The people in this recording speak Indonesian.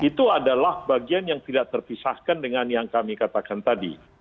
itu adalah bagian yang tidak terpisahkan dengan yang kami katakan tadi